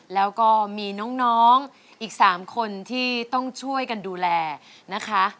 แล้วก็มีน้องอีก๓คนที่ต้องช่วยกันดูแลนะคะ